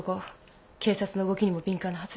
警察の動きにも敏感なはず。